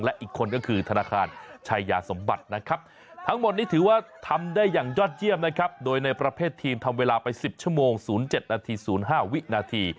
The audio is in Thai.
และอีกคนก็คือธนาคารชายาสมบัตินะครับทั้งหมดนี้ถือว่าทำได้อย่างยอดเยี่ยมนะครับโดยในประเภททีมทำเวลาไป๑๐ชั่วโมง๐๗นาที๐๕วินาที